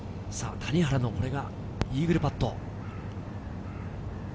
谷原のイーグルパット。